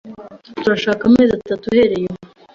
Turashaka amezi atatu uhereye ubu.